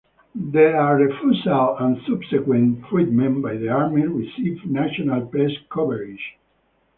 Their refusal and subsequent treatment by the Army received national press coverage.